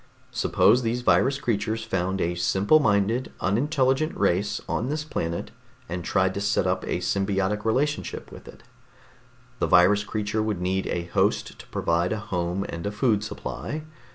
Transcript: Suppose these virus creatures found a simple minded, unintelligent race on this planet and tried to set up a symbiotic relationship with it. The virus creatures would need a host to provide a home and a food supply.